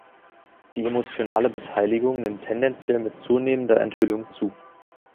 Die emotionale Beteiligung nimmt tendenziell mit zunehmender Enthüllung zu.